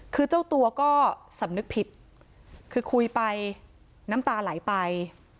คือเจ้าตัวก็สำนึกผิดคือคุยไปน้ำตาไหลไป